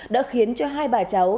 đã khiến cho hai bà cháu